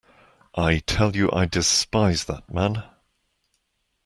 I tell you I despise that man.